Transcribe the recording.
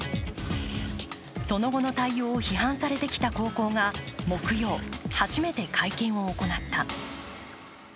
その後の対応を批判されてきた高校が木曜、初めて会見を行った。